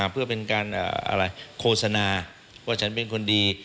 เพื่อเป็นการโฆษณาว่าฉันเป็นคนดี